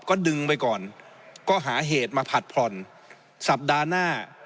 ก็ดึงไปก่อนก็หาเหตุมาผัดผ่อนสัปดาห์หน้า